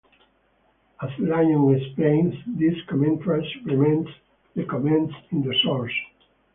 As Lions explains, this commentary supplements the comments in the source.